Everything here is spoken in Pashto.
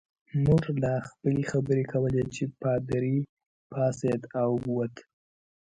موږ لا خپلې خبرې کولې چې پادري پاڅېد او ووت.